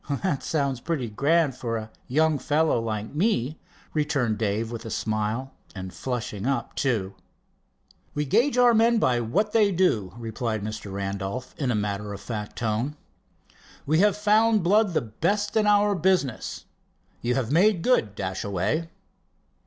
"That sounds pretty grand for a young fellow like me," returned Dave with a smile, and flushing up, too. "We gage out men by what they do," replied Mr. Randolph in a matter of fact tone. "We have found blood the best in our business. You have made good, Dashaway."